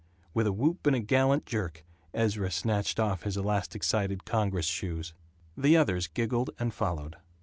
With a whoop and a gallant jerk Ezra snatched off his elastic sided Congress shoes. The others giggled and followed.